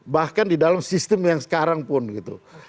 bahkan di dalam sistem yang sekarang pun gitu